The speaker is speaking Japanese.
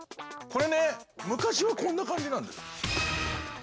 これね昔はこんな感じなんです。